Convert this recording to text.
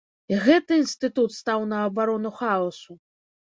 І гэты інстытут стаў на абарону хаосу!